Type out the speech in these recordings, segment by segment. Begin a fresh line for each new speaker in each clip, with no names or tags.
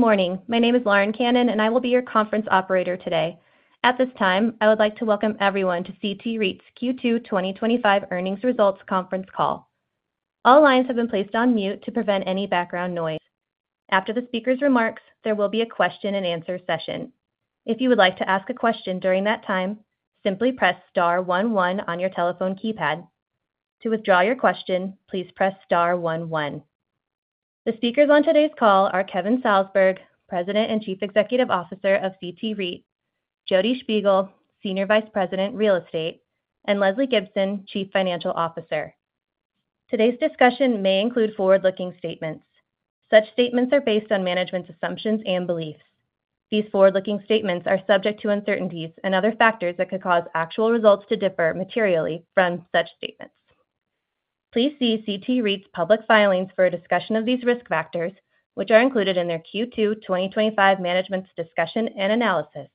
Good morning. My name is Lauren Cannon, and I will be your conference operator today. At this time, I would like to welcome everyone to CT REIT's Q2 2025 Earnings Results Conference Call. All lines have been placed on mute to prevent any background noise. After the speaker's remarks, there will be a question-and-answer session. If you would like to ask a question during that time, simply press star one one on your telephone keypad. To withdraw your question, please press star one one. The speakers on today's call are Kevin Salsberg, President and Chief Executive Officer of CT REIT; Jodi Shpigel, Senior Vice President, Real Estate; and Lesley Gibson, Chief Financial Officer. Today's discussion may include forward-looking statements. Such statements are based on management's assumptions and beliefs. These forward-looking statements are subject to uncertainties and other factors that could cause actual results to differ materially from such statements. Please see CT REIT's public filings for a discussion of these risk factors, which are included in their Q2 2025 management's discussion and analysis,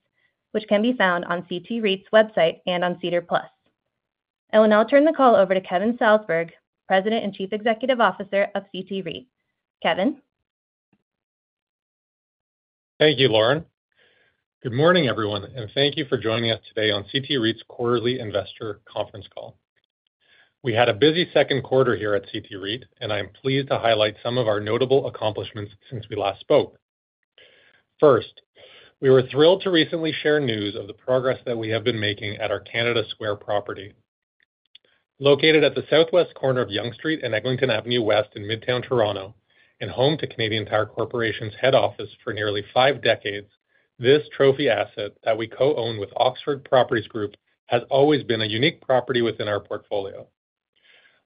which can be found on CT REIT's website and on CEDAR Plus. I'll turn the call over to Kevin Salsberg, President and Chief Executive Officer of CT REIT. Kevin?
Thank you, Lauren. Good morning, everyone, and thank you for joining us today on CT REIT's quarterly investor conference call. We had a busy second quarter here at CT REIT, and I am pleased to highlight some of our notable accomplishments since we last spoke. First, we were thrilled to recently share news of the progress that we have been making at our Canada Square property. Located at the southwest corner of Yonge Street and Eglinton Avenue West in Midtown Toronto, and home to Canadian Tire Corporation's head office for nearly five decades, this trophy asset that we co-own with Oxford Properties Group has always been a unique property within our portfolio.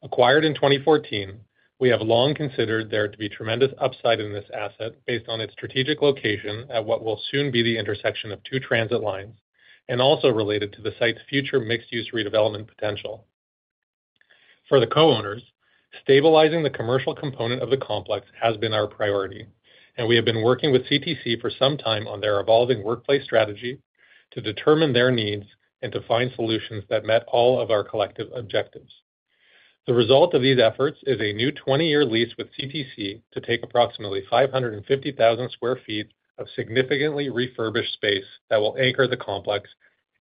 Acquired in 2014, we have long considered there to be tremendous upside in this asset based on its strategic location at what will soon be the intersection of two transit lines and also related to the site's future mixed-use redevelopment potential. For the co-owners, stabilizing the commercial component of the complex has been our priority, and we have been working with CTC for some time on their evolving workplace strategy to determine their needs and to find solutions that met all of our collective objectives. The result of these efforts is a new 20-year lease with CTC to take approximately 550,000 sq ft of significantly refurbished space that will anchor the complex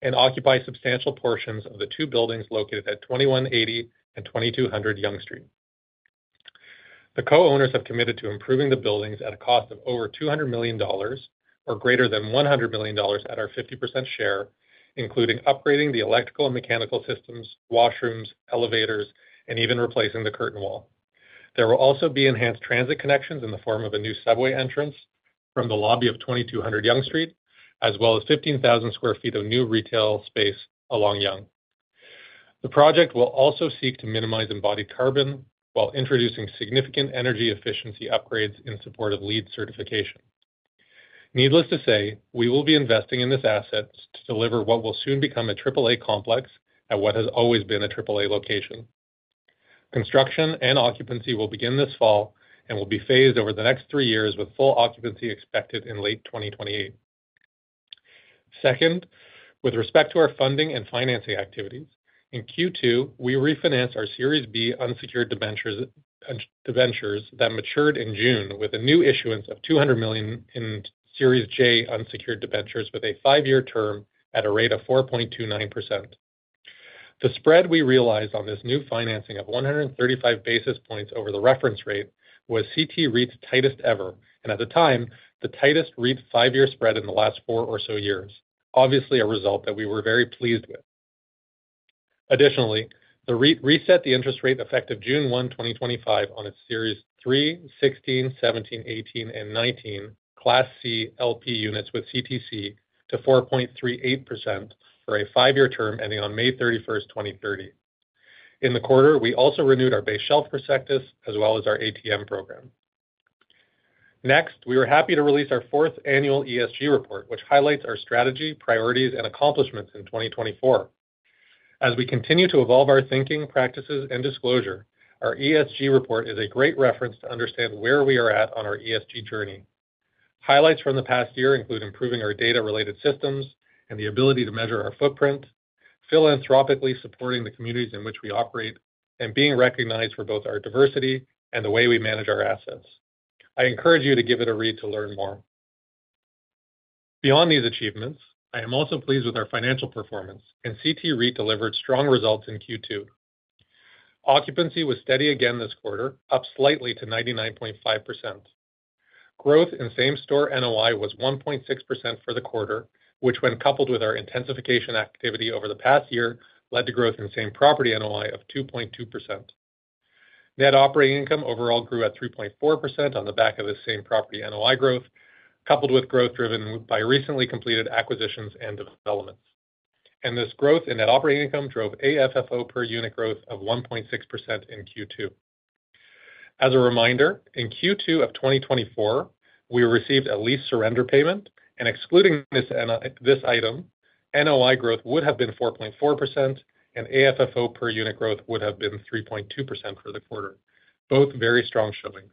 and occupy substantial portions of the two buildings located at 2180 and 2200 Yonge Street. The co-owners have committed to improving the buildings at a cost of over 200 million dollars or greater than 100 million dollars at our 50% share, including upgrading the electrical and mechanical systems, washrooms, elevators, and even replacing the curtain wall. There will also be enhanced transit connections in the form of a new subway entrance from the lobby of 2200 Yonge Street, as well as 15,000 sq ft of new retail space along Yonge. The project will also seek to minimize embodied carbon while introducing significant energy efficiency upgrades in support of LEED certification. Needless to say, we will be investing in this asset to deliver what will soon become a AAA complex at what has always been a AAA location. Construction and occupancy will begin this fall and will be phased over the next three years with full occupancy expected in late 2028. Second, with respect to our funding and financing activities, in Q2, we refinanced our Series B unsecured debentures that matured in June with a new issuance of 200 million in Series J unsecured debentures with a five-year term at a rate of 4.29%. The spread we realized on this new financing of 135 basis points over the reference rate was CT REIT's tightest ever, and at the time, the tightest REIT five-year spread in the last four or so years, obviously a result that we were very pleased with. Additionally, the REIT reset the interest rate effective June 1, 2025, on its Series 3, 16, 17, 18, and 19 Class C LP units with CTC to 4.38% for a five-year term ending on May 31, 2030. In the quarter, we also renewed our base shelf prospectus as well as our ATM program. Next, we were happy to release our fourth annual ESG report, which highlights our strategy, priorities, and accomplishments in 2024. As we continue to evolve our thinking, practices, and disclosure, our ESG report is a great reference to understand where we are at on our ESG journey. Highlights from the past year include improving our data-related systems and the ability to measure our footprint, philanthropically supporting the communities in which we operate, and being recognized for both our diversity and the way we manage our assets. I encourage you to give it a read to learn more. Beyond these achievements, I am also pleased with our financial performance, and CT REIT delivered strong results in Q2. Occupancy was steady again this quarter, up slightly to 99.5%. Growth in same-store NOI was 1.6% for the quarter, which, when coupled with our intensification activity over the past year, led to growth in same-property NOI of 2.2%. Net operating income overall grew at 3.4% on the back of this same-property NOI growth, coupled with growth driven by recently completed acquisitions and developments. This growth in net operating income drove AFFO per unit growth of 1.6% in Q2. As a reminder, in Q2 of 2024, we received a lease surrender payment, and excluding this item, NOI growth would have been 4.4%, and AFFO per unit growth would have been 3.2% for the quarter, both very strong showing.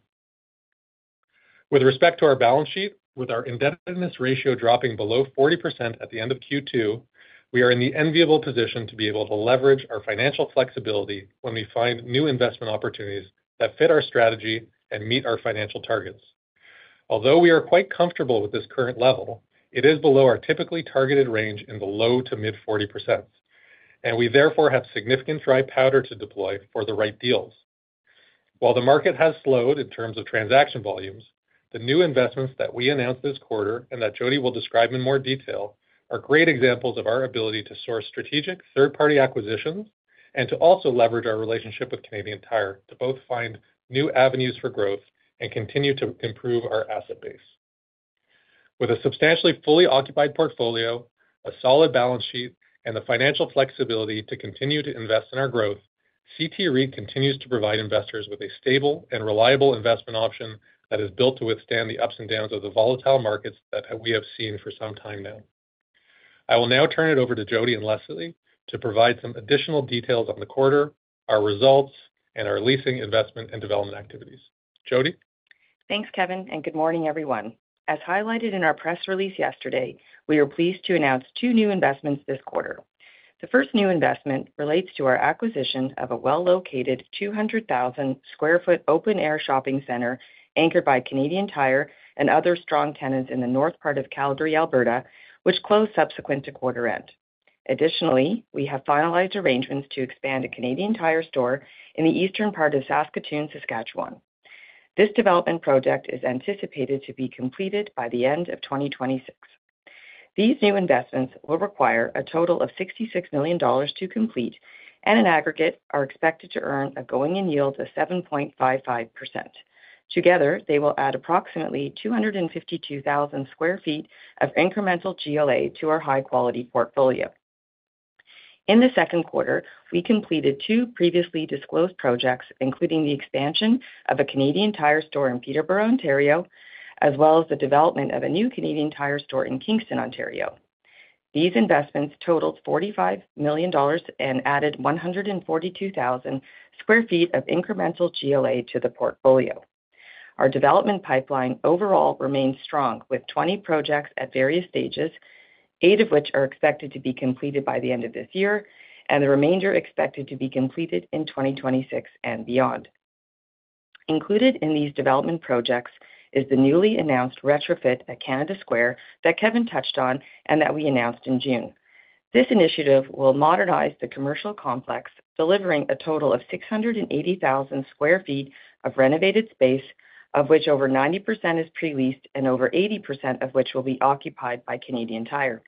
With respect to our balance sheet, with our indebtedness ratio dropping below 40% at the end of Q2, we are in the enviable position to be able to leverage our financial flexibility when we find new investment opportunities that fit our strategy and meet our financial targets. Although we are quite comfortable with this current level, it is below our typically targeted range in the low to mid-40%, and we therefore have significant dry powder to deploy for the right deals. While the market has slowed in terms of transaction volumes, the new investments that we announced this quarter and that Jodi will describe in more detail are great examples of our ability to source strategic third-party acquisitions and to also leverage our relationship with Canadian Tire to both find new avenues for growth and continue to improve our asset base. With a substantially fully occupied portfolio, a solid balance sheet, and the financial flexibility to continue to invest in our growth, CT REIT continues to provide investors with a stable and reliable investment option that is built to withstand the ups and downs of the volatile markets that we have seen for some time now. I will now turn it over to Jodi and Lesley to provide some additional details on the quarter, our results, and our leasing investment and development activities. Jodi?
Thanks, Kevin, and good morning, everyone. As highlighted in our press release yesterday, we are pleased to announce two new investments this quarter. The first new investment relates to our acquisition of a well-located 200,000 sq ft open-air shopping center anchored by Canadian Tire and other strong tenants in the north part of Calgary, Alberta, which closed subsequent to quarter end. Additionally, we have finalized arrangements to expand a Canadian Tire store in the eastern part of South Saskatchewan. This development project is anticipated to be completed by the end of 2026. These new investments will require a total of 66 million dollars to complete and in aggregate are expected to earn a going-in yield of 7.55%. Together, they will add approximately 252,000 sq ft of incremental GLA to our high-quality portfolio. In the second quarter, we completed two previously disclosed projects, including the expansion of a Canadian Tire store in Peterborough, Ontario, as well as the development of a new Canadian Tire store in Kingston, Ontario. These investments totaled 45 million dollars and added 142,000 sq ft of incremental GLA to the portfolio. Our development pipeline overall remains strong, with 20 projects at various stages, eight of which are expected to be completed by the end of this year, and the remainder expected to be completed in 2026 and beyond. Included in these development projects is the newly announced retrofit at Canada Square that Kevin touched on and that we announced in June. This initiative will modernize the commercial complex, delivering a total of 680,000 sq ft of renovated space, of which over 90% is pre-leased and over 80% of which will be occupied by Canadian Tire.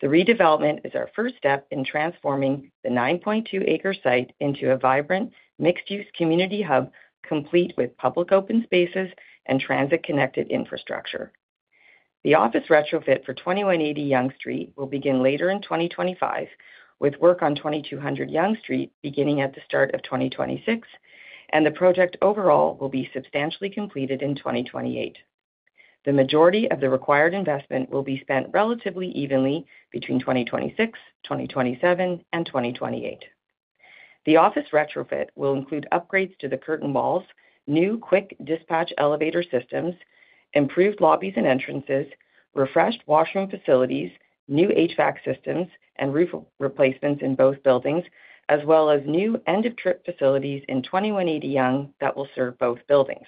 The redevelopment is our first step in transforming the 9.2-acre site into a vibrant mixed-use community hub, complete with public open spaces and transit-connected infrastructure. The office retrofit for 2180 Yonge Street will begin later in 2025, with work on 2200 Yonge Street beginning at the start of 2026, and the project overall will be substantially completed in 2028. The majority of the required investment will be spent relatively evenly between 2026, 2027, and 2028. The office retrofit will include upgrades to the curtain walls, new quick dispatch elevator systems, improved lobbies and entrances, refreshed washroom facilities, new HVAC systems, and roof replacements in both buildings, as well as new end-of-trip facilities in 2180 Yonge that will serve both buildings.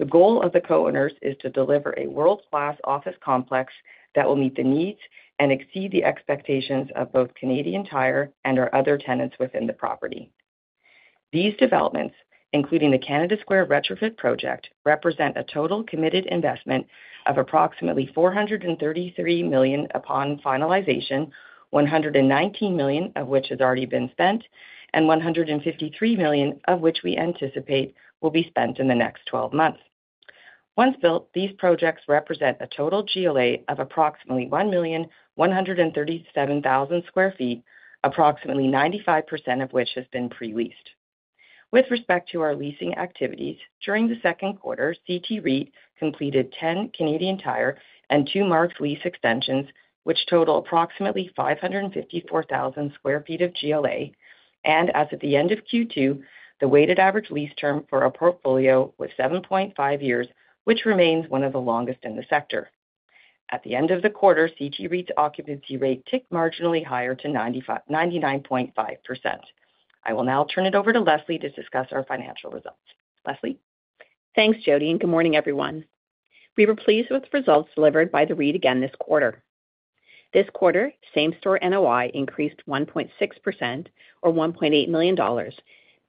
The goal of the co-owners is to deliver a world-class office complex that will meet the needs and exceed the expectations of both Canadian Tire and our other tenants within the property. These developments, including the Canada Square retrofit project, represent a total committed investment of approximately 433 million upon finalization, 119 million of which has already been spent, and 153 million of which we anticipate will be spent in the next 12 months. Once built, these projects represent a total GLA of approximately 1,137,000 sq ft, approximately 95% of which has been pre-leased. With respect to our leasing activities, during the second quarter, CT REIT completed 10 Canadian Tire and two marked lease extensions, which total approximately 554,000 sq ft of GLA, and as of the end of Q2, the weighted average lease term for our portfolio was 7.5 years, which remains one of the longest in the sector. At the end of the quarter, CT REIT's occupancy rate ticked marginally higher to 99.5%. I will now turn it over to Lesley to discuss our financial results. Lesley?
Thanks, Jodi, and good morning, everyone. We were pleased with the results delivered by the REIT again this quarter. This quarter, same-store NOI increased 1.6% or 1.8 million dollars,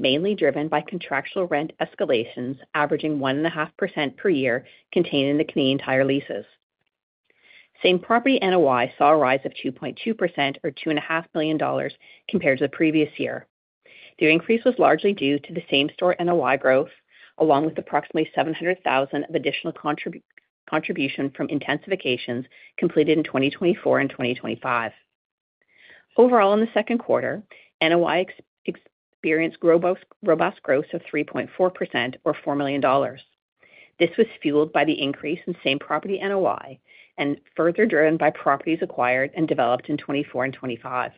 mainly driven by contractual rent escalations averaging 1.5% per year contained in the Canadian Tire leases. Same-property NOI saw a rise of 2.2% or 2.5 million dollars compared to the previous year. The increase was largely due to the same-store NOI growth, along with approximately 0.7 million of additional contribution from intensifications completed in 2024 and 2025. Overall, in the second quarter, NOI experienced robust growth of 3.4% or 4 million dollars. This was fueled by the increase in same-property NOI and further driven by properties acquired and developed in 2024 and 2025.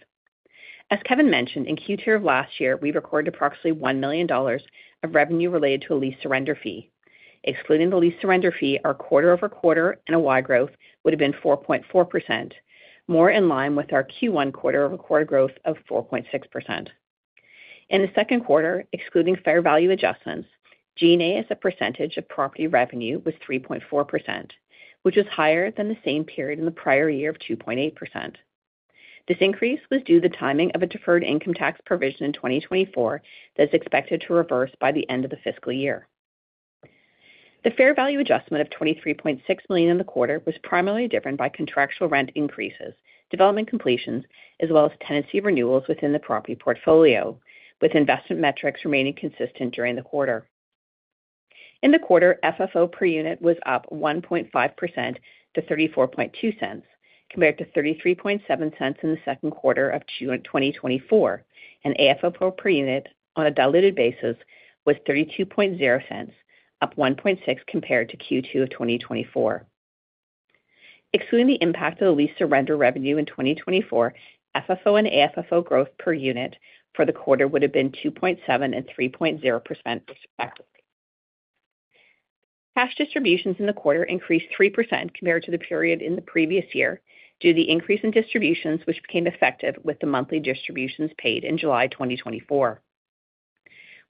As Kevin mentioned, in Q2 of last year, we recorded approximately 1 million dollars of revenue related to a lease surrender fee. Excluding the lease surrender fee, our quarter-over-quarter NOI growth would have been 4.4%, more in line with our Q1 quarter-over-quarter growth of 4.6%. In the second quarter, excluding fair value adjustments, General and Administrative Expenses as a percentage of property revenue was 3.4%, which was higher than the same period in the prior year of 2.8%. This increase was due to the timing of a deferred income tax provision in 2024 that is expected to reverse by the end of the fiscal year. The fair value adjustment of 23.6 million in the quarter was primarily driven by contractual rent increases, development completions, as well as tenancy renewals within the property portfolio, with investment metrics remaining consistent during the quarter. In the quarter, FFO per unit was up 1.5% to 0.342 compared to 0.337 in the second quarter of 2024, and AFFO per unit on a diluted basis was 0.320, up 1.6% compared to Q2 of 2024. Excluding the impact of the lease surrender revenue in 2024, FFO and AFFO growth per unit for the quarter would have been 2.7% and 3.0% respectively. Cash distributions in the quarter increased 3% compared to the period in the previous year due to the increase in distributions, which became effective with the monthly distributions paid in July 2024.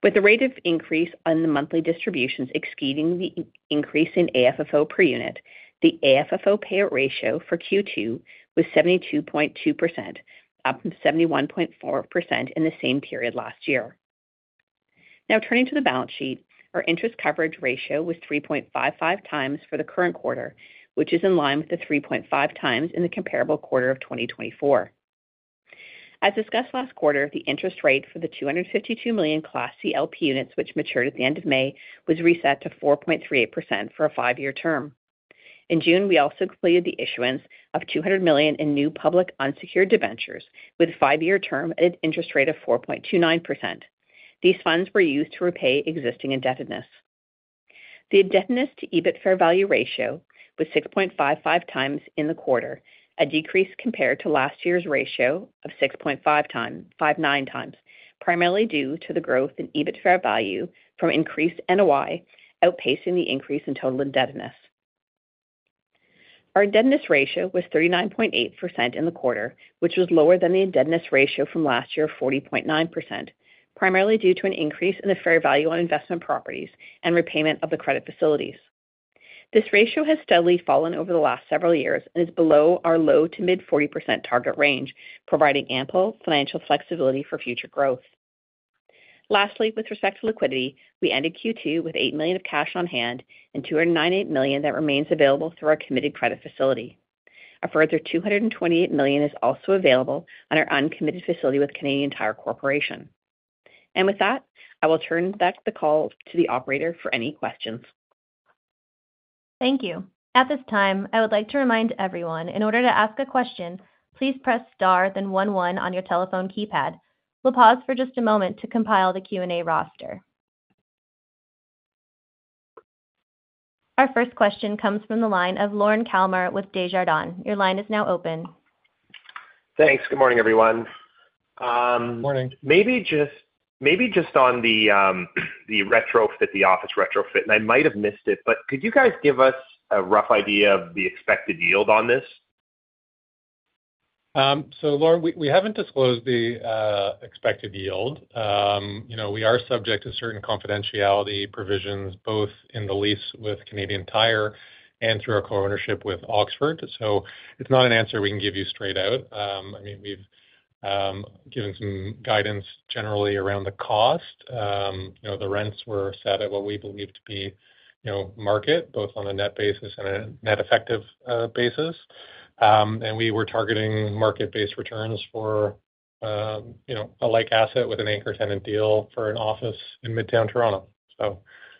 With the rate of increase on the monthly distributions exceeding the increase in AFFO per unit, the AFFO Payout Ratio for Q2 was 72.2%, up from 71.4% in the same period last year. Now, turning to the balance sheet, our Interest Coverage Ratio was 3.55 times for the current quarter, which is in line with the 3.5 times in the comparable quarter of 2024. As discussed last quarter, the interest rate for the 252 million Class C LP units, which matured at the end of May, was reset to 4.38% for a five-year term. In June, we also completed the issuance of 200 million in new public unsecured debentures with a five-year term at an interest rate of 4.29%. These funds were used to repay existing indebtedness. The indebtedness to EBIT fair value ratio was 6.55 times in the quarter, a decrease compared to last year's ratio of 6.59 times, primarily due to the growth in EBIT fair value from increased NOI outpacing the increase in total indebtedness. Our indebtedness ratio was 39.8% in the quarter, which was lower than the indebtedness ratio from last year of 40.9%, primarily due to an increase in the fair value on investment properties and repayment of the credit facilities. This ratio has steadily fallen over the last several years and is below our low to mid-40% target range, providing ample financial flexibility for future growth. Lastly, with respect to liquidity, we ended Q2 with 8 million of cash on hand and 298 million that remains available through our committed credit facility. A further 228 million is also available on our uncommitted facility with Canadian Tire Corporation. With that, I will turn back the call to the operator for any questions.
Thank you. At this time, I would like to remind everyone, in order to ask a question, please press star one one on your telephone keypad. We'll pause for just a moment to compile the Q&A roster. Our first question comes from the line of Lorne Kalmar with Desjardins. Your line is now open.
Thanks. Good morning, everyone.
Morning.
Maybe just on the retrofit, the office retrofit, and I might have missed it, but could you guys give us a rough idea of the expected yield on this?
Lauren, we haven't disclosed the expected yield. We are subject to certain confidentiality provisions both in the lease with Canadian Tire and through our co-ownership with Oxford, so it's not an answer we can give you straight out. We've given some guidance generally around the cost. The rents were set at what we believed to be market, both on a net basis and a net effective basis, and we were targeting market-based returns for a like asset with an anchor tenant deal for an office in Midtown Toronto.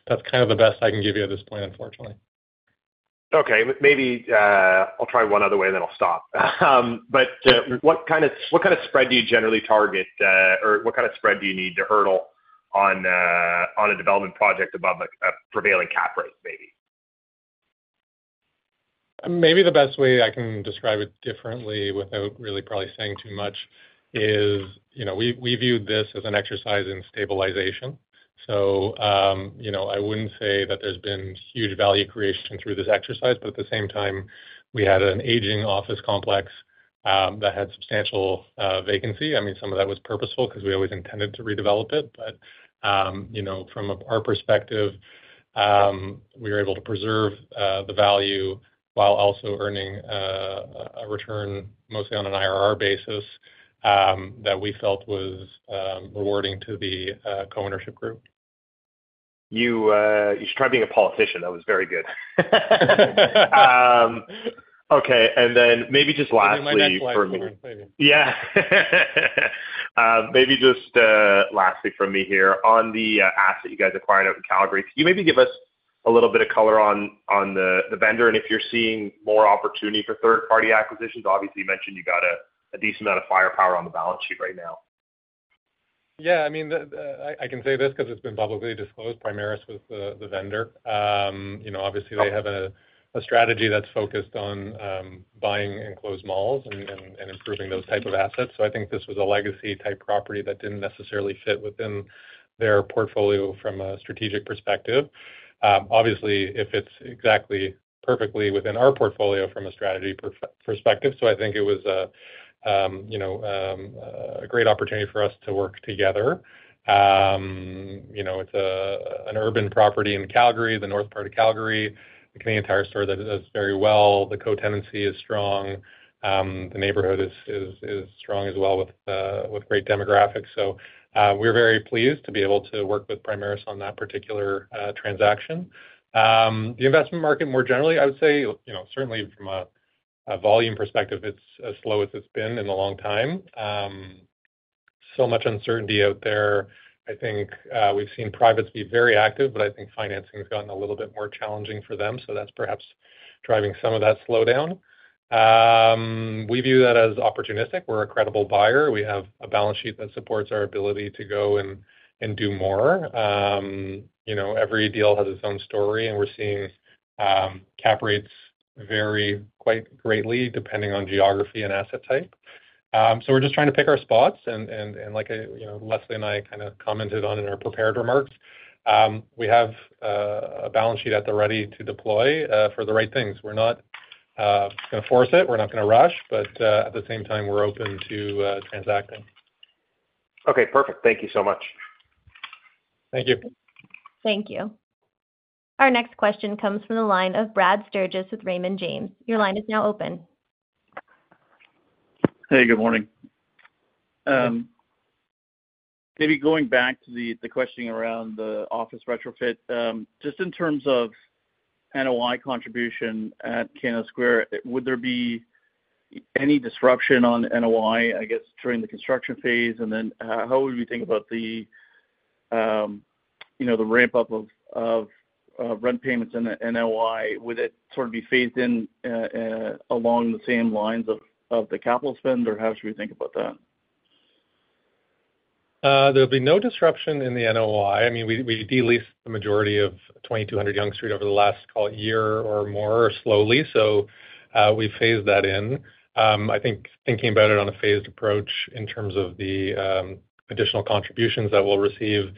That's kind of the best I can give you at this point, unfortunately.
Okay. Maybe I'll try one other way and then I'll stop. What kind of spread do you generally target or what kind of spread do you need to hurdle on a development project above a prevailing cap rate, maybe?
Maybe the best way I can describe it differently without really probably saying too much is, you know, we viewed this as an exercise in stabilization. I wouldn't say that there's been huge value creation through this exercise, but at the same time, we had an aging office complex that had substantial vacancy. Some of that was purposeful because we always intended to redevelop it, but from our perspective, we were able to preserve the value while also earning a return mostly on an IRR basis that we felt was rewarding to the co-ownership group.
You should try being a politician. That was very good. Okay. Maybe just lastly.
Maybe next one.
Yeah. Maybe just lastly from me here on the asset you guys acquired out of Calgary. Could you maybe give us a little bit of color on the vendor and if you're seeing more opportunity for third-party acquisitions? Obviously, you mentioned you've got a decent amount of firepower on the balance sheet right now.
Yeah. I mean, I can say this because it's been publicly disclosed. Primaris was the vendor. Obviously, they have a strategy that's focused on buying enclosed malls and improving those types of assets. I think this was a legacy-type property that didn't necessarily fit within their portfolio from a strategic perspective. Obviously, it fits exactly perfectly within our portfolio from a strategy perspective, so I think it was a great opportunity for us to work together. It's an urban property in Calgary, the north part of Calgary, the Canadian Tire store that does very well. The co-tenancy is strong. The neighborhood is strong as well with great demographics. We're very pleased to be able to work with Primaris on that particular transaction. The investment market more generally, I would say, certainly from a volume perspective, it's as slow as it's been in a long time. So much uncertainty out there. I think we've seen privates be very active, but I think financing has gotten a little bit more challenging for them. That's perhaps driving some of that slowdown. We view that as opportunistic. We're a credible buyer. We have a balance sheet that supports our ability to go and do more. Every deal has its own story, and we're seeing cap rates vary quite greatly depending on geography and asset type. We're just trying to pick our spots. Like Lesley and I commented on in our prepared remarks, we have a balance sheet at the ready to deploy for the right things. We're not going to force it. We're not going to rush, but at the same time, we're open to transacting.
Okay. Perfect. Thank you so much.
Thank you.
Thank you. Our next question comes from the line of Brad Sturges with Raymond James. Your line is now open.
Hey, good morning. Maybe going back to the questioning around the office retrofit, just in terms of NOI contribution at Canada Square, would there be any disruption on NOI, I guess, during the construction phase? How would we think about the ramp-up of rent payments and NOI? Would it sort of be phased in along the same lines of the capital spend, or how should we think about that?
There will be no disruption in the NOI. We deleased the majority of 2200 Yonge Street over the last, call it, year or more slowly. We phased that in. I think thinking about it on a phased approach in terms of the additional contributions that we'll receive,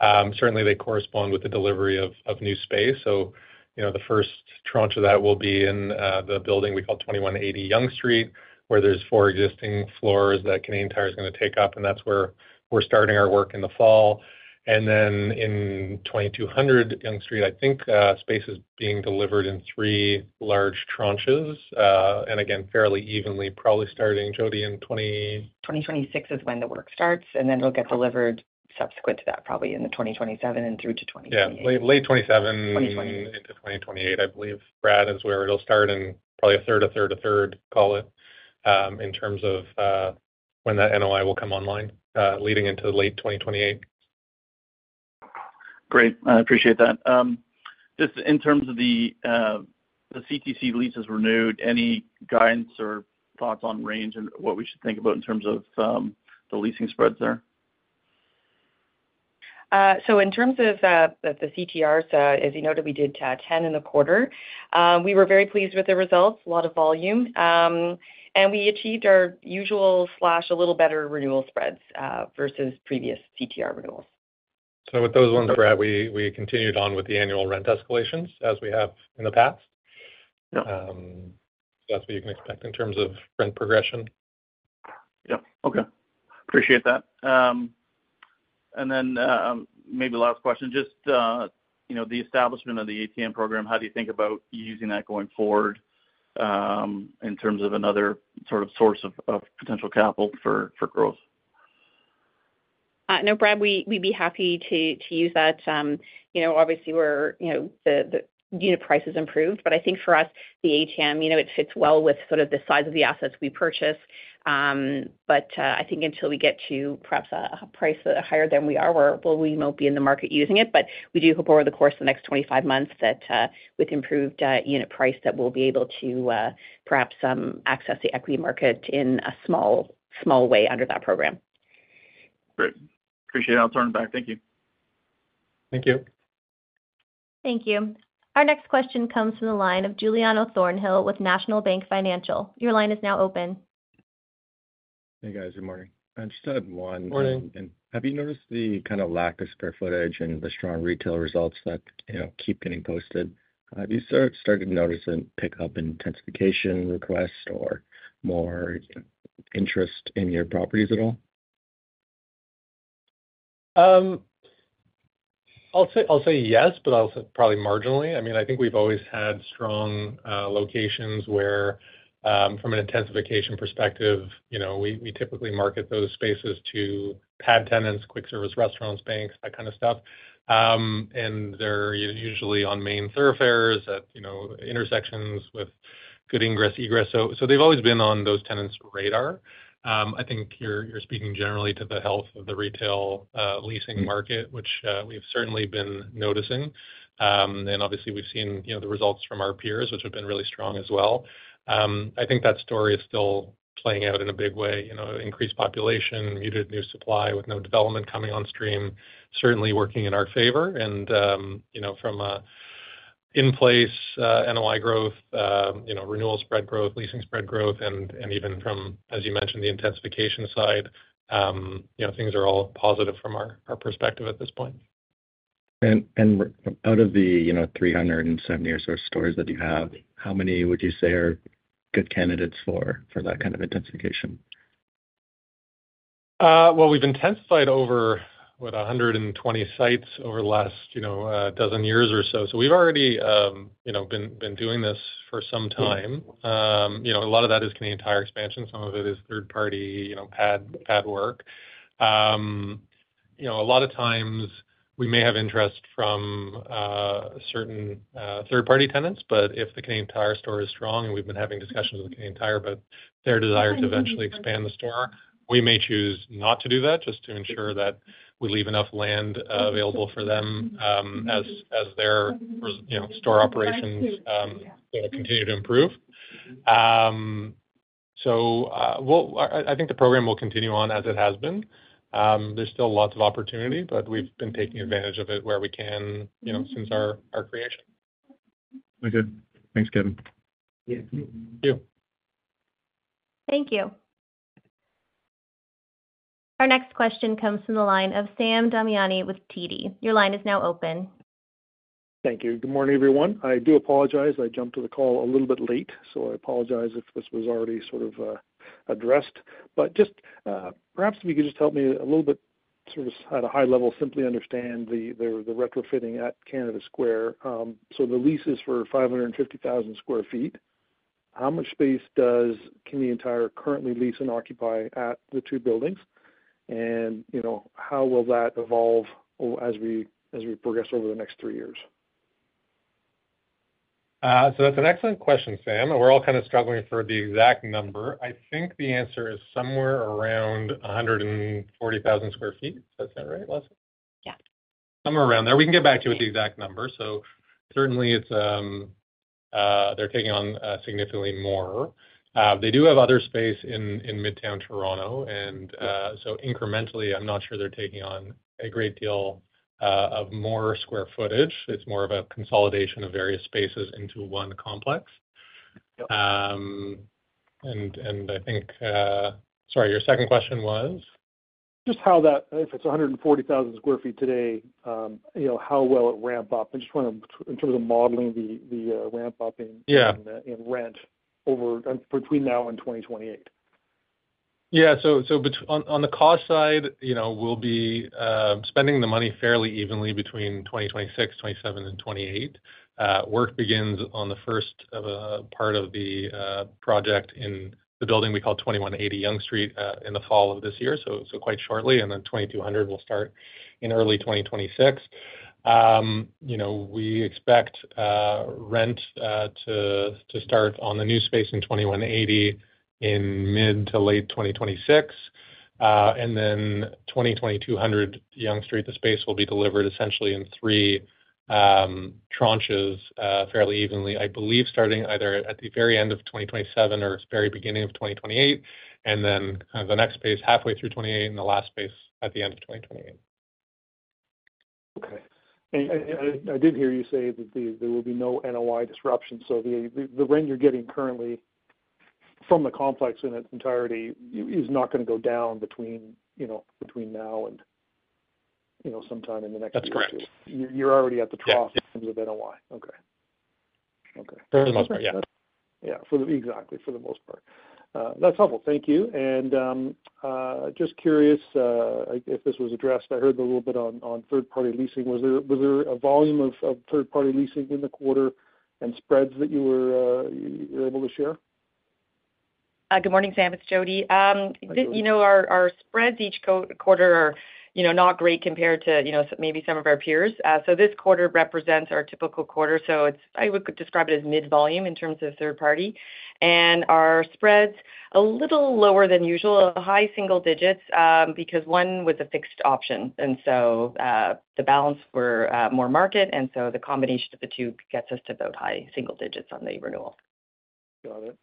certainly they correspond with the delivery of new space. The first tranche of that will be in the building we call 2180 Yonge Street, where there's four existing floors that Canadian Tire is going to take up, and that's where we're starting our work in the fall. In 2200 Yonge Street, I think space is being delivered in three large tranches, and again, fairly evenly, probably starting, Jodi, in.
2026 is when the work starts, and then it'll get delivered subsequent to that, probably in 2027 and through to 2028.
Yeah, late 2027, late into 2028, I believe, Brad, is where it'll start, and probably a third, a third, a third, call it, in terms of when that NOI will come online, leading into late 2028.
Great. I appreciate that. Just in terms of the CTC leases renewed, any guidance or thoughts on range and what we should think about in terms of the leasing spreads there?
In terms of the CTRs, as you noted, we did 10 in the quarter. We were very pleased with the results, a lot of volume, and we achieved our usual slash a little better renewal spreads versus previous CTR renewals.
With those ones, Brad, we continued on with the annual rent escalations as we have in the past. That's what you can expect in terms of rent progression.
Okay. Appreciate that. Maybe the last question, just, you know, the establishment of the ATM program, how do you think about using that going forward in terms of another sort of source of potential capital for growth?
No, Brad, we'd be happy to use that. Obviously, the unit price has improved, but I think for us, the ATM program fits well with the size of the assets we purchase. I think until we get to perhaps a price higher than we are, we won't be in the market using it. We do hope over the course of the next 25 months that with improved unit price we'll be able to perhaps access the equity market in a small, small way under that program.
Great. Appreciate it. I'll turn it back. Thank you.
Thank you.
Thank you. Our next question comes from the line of Giuliano Thornhill with National Bank. Your line is now open.
Hey, guys. Good morning. I just had one.
Morning.
Have you noticed the kind of lack of square footage and the strong retail results that keep getting posted? Have you started noticing pickup in intensification requests or more interest in your properties at all?
I'll say yes, but I'll say probably marginally. I mean, I think we've always had strong locations where, from an intensification perspective, we typically market those spaces to pad tenants, quick service restaurants, banks, that kind of stuff. They're usually on main thoroughfares at intersections with good ingress, egress. They've always been on those tenants' radar. I think you're speaking generally to the health of the retail leasing market, which we've certainly been noticing. Obviously, we've seen the results from our peers, which have been really strong as well. I think that story is still playing out in a big way. Increased population, muted new supply with no development coming on stream, certainly working in our favor. From an in-place NOI growth, renewal spread growth, leasing spread growth, and even from, as you mentioned, the intensification side, things are all positive from our perspective at this point.
Out of the 370 or so stores that you have, how many would you say are good candidates for that kind of intensification?
We've intensified over, what, 120 sites over the last, you know, a dozen years or so. We've already, you know, been doing this for some time. A lot of that is Canadian Tire expansion. Some of it is third-party, you know, pad work. A lot of times, we may have interest from certain third-party tenants, but if the Canadian Tire store is strong and we've been having discussions with Canadian Tire about their desire to eventually expand the store, we may choose not to do that just to ensure that we leave enough land available for them as their, you know, store operations, you know, continue to improve. I think the program will continue on as it has been. There's still lots of opportunity, but we've been taking advantage of it where we can, you know, since our creation.
Very good. Thanks, Kevin.
Thank you.
Thank you. Our next question comes from the line of Sam Damiani with TD Securities. Your line is now open.
Thank you. Good morning, everyone. I do apologize. I jumped to the call a little bit late, so I apologize if this was already sort of addressed. Perhaps if you could just help me a little bit sort of at a high level simply understand the retrofitting at Canada Square. The lease is for 550,000 sq ft. How much space does Canadian Tire currently lease and occupy at the two buildings? You know, how will that evolve as we progress over the next three years?
That's an excellent question, Sam. We're all kind of struggling for the exact number. I think the answer is somewhere around 140,000 sq ft. Is that right, Lesley?
Yeah.
Somewhere around there. We can get back to you with the exact number. Certainly, they're taking on significantly more. They do have other space in Midtown Toronto, so incrementally, I'm not sure they're taking on a great deal of more square footage. It's more of a consolidation of various spaces into one complex. I think, sorry, your second question was?
Just how that, if it's 140,000 sq ft today, you know, how will it ramp up? I just want to, in terms of modeling the ramp-up in rent over between now and 2028.
Yeah. On the cost side, we'll be spending the money fairly evenly between 2026, 2027, and 2028. Work begins on the first part of the project in the building we call 2180 Yonge Street in the fall of this year, so quite shortly. 2200 will start in early 2026. We expect rent to start on the new space in 2180 in mid to late 2026. 2200 Yonge Street, the space will be delivered essentially in three tranches fairly evenly, I believe, starting either at the very end of 2027 or the very beginning of 2028. The next space will be halfway through 2028 and the last space at the end of 2028.
Okay. I did hear you say that there will be no NOI disruption. The rent you're getting currently from the complex in its entirety is not going to go down between now and sometime in the next year.
That's correct.
You're already at the trough in terms of NOI. Okay.
For the most part, yeah.
Yeah, exactly, for the most part. That's helpful, thank you. Just curious if this was addressed. I heard a little bit on third-party leasing. Was there a volume of third-party leasing in the quarter and spreads that you were able to share?
Good morning, Sam. It's Jodi. Our spreads each quarter are not great compared to maybe some of our peers. This quarter represents our typical quarter. I would describe it as mid-volume in terms of third party, and our spreads are a little lower than usual, a high single digit because one was a fixed option. The balance were more market, and the combination of the two gets us to those high single digits on the renewal.
Got it.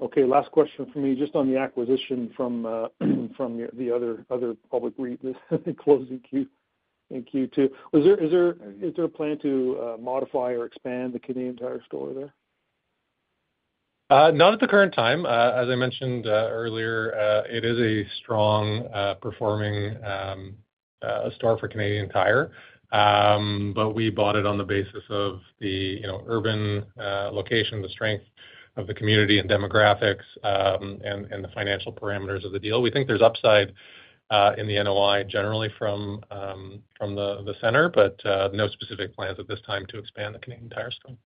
Okay. Last question for me, just on the acquisition from the other public REIT that's closing in Q2. Is there a plan to modify or expand the Canadian Tire store there?
Not at the current time. As I mentioned earlier, it is a strong performing store for Canadian Tire. We bought it on the basis of the urban location, the strength of the community and demographics, and the financial parameters of the deal. We think there's upside in the NOI generally from the center, but no specific plans at this time to expand the Canadian Tire store.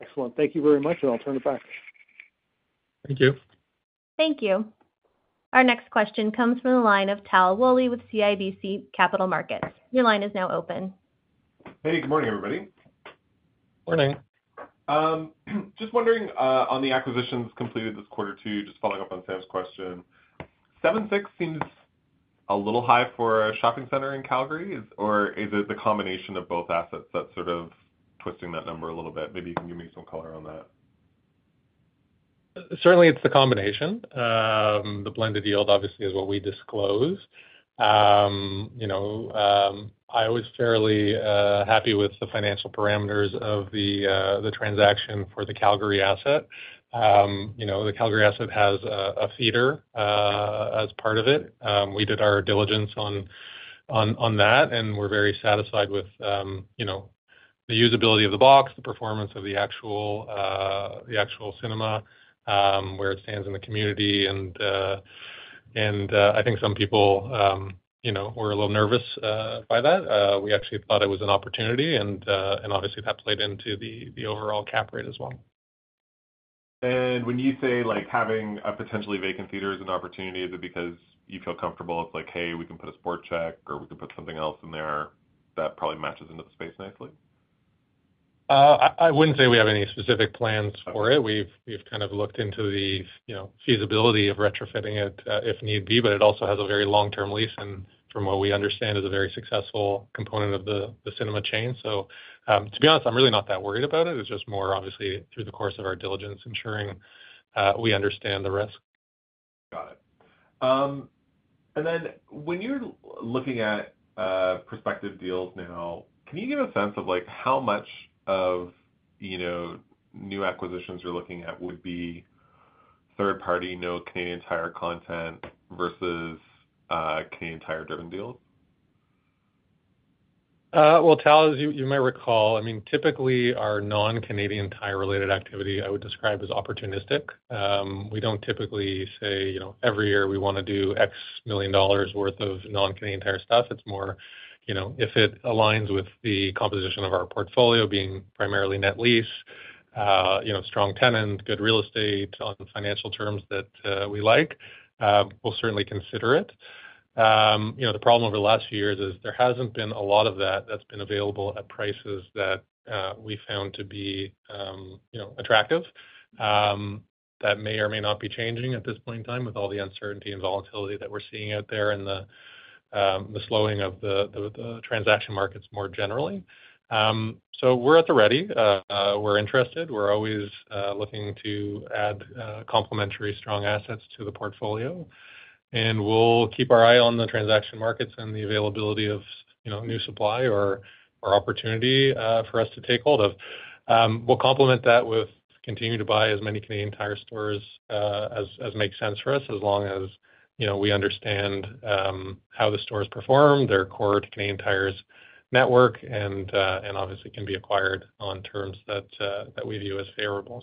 Excellent. Thank you very much. I'll turn it back.
Thank you.
Thank you. Our next question comes from the line of Tal Woolley with CIBC Capital Markets. Your line is now open.
Hey, good morning, everybody.
Morning.
Just wondering on the acquisitions completed this quarter too, just following up on Sam's question. Seven six seems a little high for a shopping center in Calgary, or is it the combination of both assets that's sort of twisting that number a little bit? Maybe you can give me some color on that.
Certainly, it's the combination. The blended yield, obviously, is what we disclose. I was fairly happy with the financial parameters of the transaction for the Calgary asset. The Calgary asset has a theater as part of it. We did our diligence on that, and we're very satisfied with the usability of the box, the performance of the actual cinema, where it stands in the community. I think some people were a little nervous by that. We actually thought it was an opportunity, and obviously, that played into the overall cap rate as well.
When you say like having a potentially vacant theater as an opportunity, is it because you feel comfortable? It's like, "Hey, we can put a Sport Chek, or we can put something else in there that probably matches into the space nicely"?
I wouldn't say we have any specific plans for it. We've kind of looked into the feasibility of retrofitting it if need be, but it also has a very long-term lease, and from what we understand, is a very successful component of the cinema chain. To be honest, I'm really not that worried about it. It's just more, obviously, through the course of our diligence, ensuring we understand the risk.
Got it. When you're looking at prospective deals now, can you give a sense of how much of new acquisitions you're looking at would be third-party, no Canadian Tire content versus Canadian Tire-driven deals?
Tal, as you may recall, typically, our non-Canadian Tire-related activity I would describe as opportunistic. We don't typically say, you know, every year we want to do CAD X million worth of non-Canadian Tire stuff. It's more, if it aligns with the composition of our portfolio being primarily net lease, strong tenant, good real estate on financial terms that we like, we'll certainly consider it. The problem over the last few years is there hasn't been a lot of that that's been available at prices that we found to be attractive. That may or may not be changing at this point in time with all the uncertainty and volatility that we're seeing out there and the slowing of the transaction markets more generally. We are at the ready. We're interested. We're always looking to add complementary strong assets to the portfolio. We'll keep our eye on the transaction markets and the availability of new supply or opportunity for us to take hold of. We'll complement that with continuing to buy as many Canadian Tire stores as makes sense for us, as long as we understand how the stores perform, they're core to Canadian Tire's network, and obviously can be acquired on terms that we view as favorable.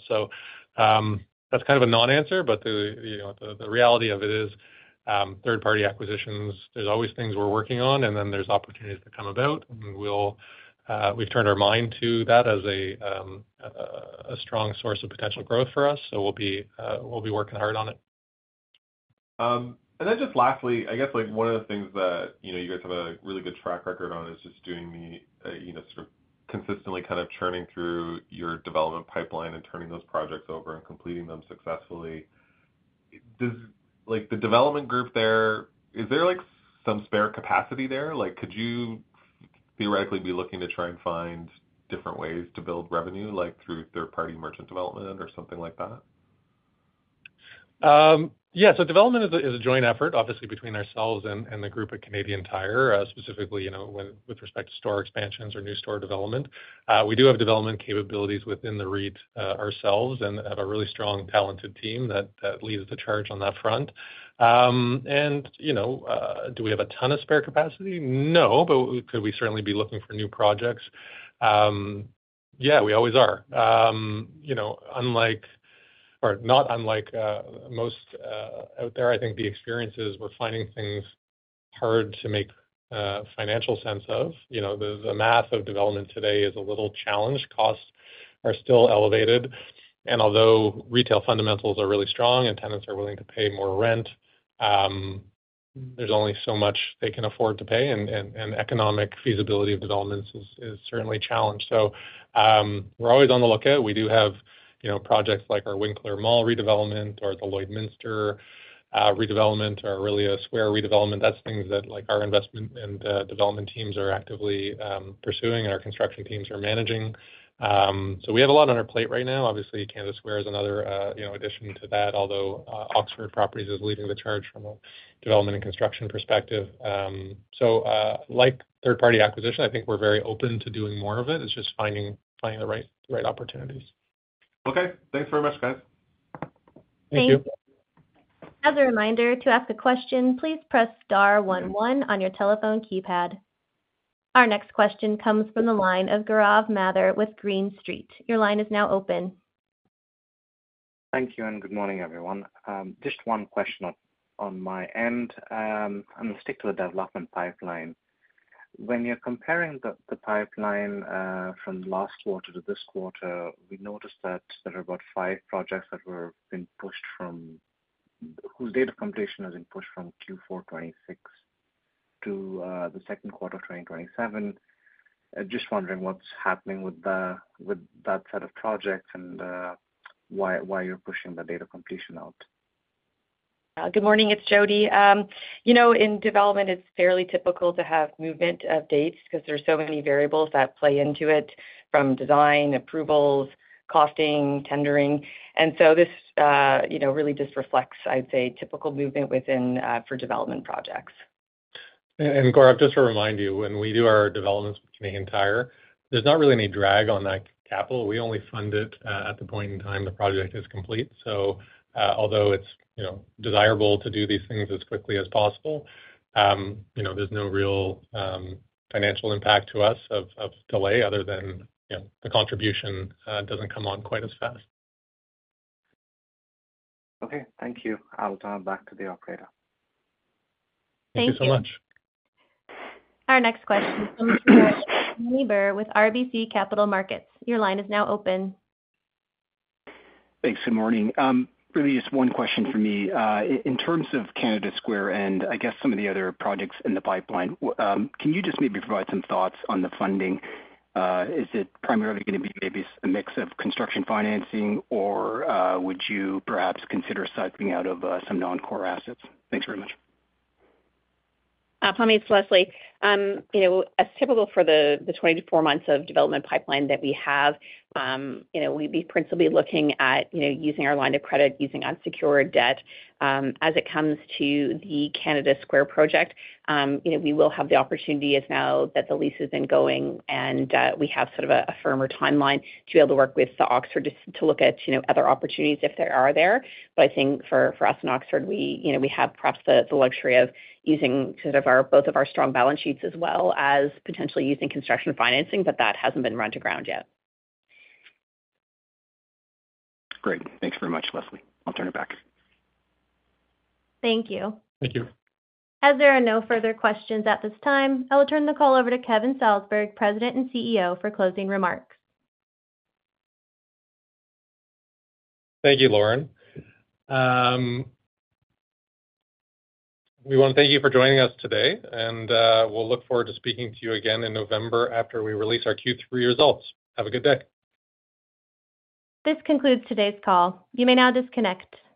That's kind of a non-answer, but the reality of it is third-party acquisitions, there's always things we're working on, and then there's opportunities that come about. We've turned our mind to that as a strong source of potential growth for us. We'll be working hard on it.
Lastly, I guess one of the things that you guys have a really good track record on is just consistently churning through your development pipeline and turning those projects over and completing them successfully. Does the development group there, is there some spare capacity there? Could you theoretically be looking to try and find different ways to build revenue, like through third-party merchant development or something like that?
Yeah. Development is a joint effort, obviously, between ourselves and the group at Canadian Tire, specifically, you know, with respect to store expansions or new store development. We do have development capabilities within the REIT ourselves and have a really strong, talented team that leads the charge on that front. Do we have a ton of spare capacity? No, but could we certainly be looking for new projects? Yeah, we always are. Not unlike most out there, I think the experience is we're finding things hard to make financial sense of. The math of development today is a little challenged. Costs are still elevated, and although retail fundamentals are really strong and tenants are willing to pay more rent, there's only so much they can afford to pay, and economic feasibility of developments is certainly a challenge. We're always on the lookout. We do have projects like our Winkler Mall redevelopment or the Lloydminster redevelopment or really a square redevelopment. That's things that our investment and development teams are actively pursuing and our construction teams are managing. We have a lot on our plate right now. Obviously, Canada Square is another addition to that, although Oxford Properties is leading the charge from a development and construction perspective. Like third-party acquisition, I think we're very open to doing more of it. It's just finding the right opportunities.
Okay, thanks very much, guys.
Thank you.
As a reminder, to ask a question, please press star one on your telephone keypad. Our next question comes from the line of Gaurav Mathur with Green Street. Your line is now open.
Thank you, and good morning, everyone. Just one question on my end. I'm going to stick to the development pipeline. When you're comparing the pipeline from last quarter to this quarter, we noticed that there are about five projects that were being pushed from whose date of completion has been pushed from Q4 2026 to the second quarter of 2027. Just wondering what's happening with that set of projects and why you're pushing the date of completion out.
Good morning. It's Jodi. In development, it's fairly typical to have movement of dates because there are so many variables that play into it from design, approvals, costing, tendering. This really just reflects, I'd say, typical movement within for development projects.
Gaurav, just to remind you, when we do our developments with Canadian Tire, there's not really any drag on that capital. We only fund it at the point in time the project is complete. Although it's desirable to do these things as quickly as possible, there's no real financial impact to us of delay other than the contribution doesn't come on quite as fast.
Okay. Thank you. I'll turn it back to the operator.
Thank you so much.
Our next question comes from the line of Pammi Bir with RBC Capital Markets. Your line is now open.
Thanks. Good morning. Really, just one question for me. In terms of Canada Square and I guess some of the other projects in the pipeline, can you just maybe provide some thoughts on the funding? Is it primarily going to be maybe a mix of construction financing, or would you perhaps consider siphoning out of some non-core assets? Thanks very much.
Upon me, it's Lesley. You know, as typical for the 24 months of Development Pipeline that we have, we'd be principally looking at using our line of credit, using unsecured debt. As it comes to the Canada Square project, we will have the opportunity as now that the lease has been going and we have sort of a firmer timeline to be able to work with Oxford just to look at other opportunities if there are there. I think for us and Oxford, we have perhaps the luxury of using both of our strong balance sheets as well as potentially using construction financing, but that hasn't been run to ground yet.
Great. Thanks very much, Lesley. I'll turn it back.
Thank you.
Thank you.
As there are no further questions at this time, I will turn the call over to Kevin Salsberg, President and CEO, for closing remarks.
Thank you, Lauren. We want to thank you for joining us today, and we'll look forward to speaking to you again in November after we release our Q3 results. Have a good day.
This concludes today's call. You may now disconnect.